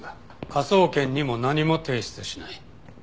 科捜研にも何も提出しない。